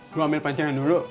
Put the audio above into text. gue ambil pancingan dulu